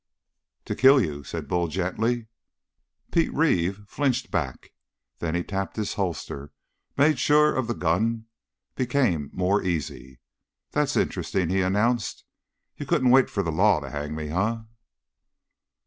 "To kill you," said Bull gently. Pete Reeve flinched back. Then he tapped his holster, made sure of the gun, became more easy. "That's interesting," he announced. "You couldn't wait for the law to hang me, eh?"